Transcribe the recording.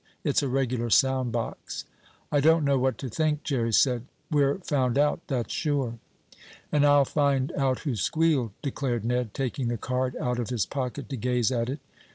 It's a regular sound box." "I don't know what to think," Jerry said. "We're found out, that's sure." "And I'll find out who squealed," declared Ned, taking the card out of his pocket to gaze at it.